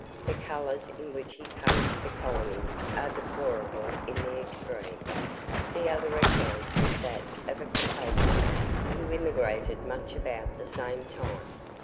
The colours in which he paints the colonies are deplorable in the extreme. The other account is that of a compositor who emigrated much about the same time.